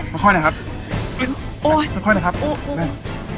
แม่ยืดไม่ไหวลูกมันปวดจังเลย